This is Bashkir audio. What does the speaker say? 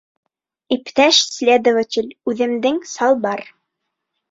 Иптәш следователь, үҙемдең салбар.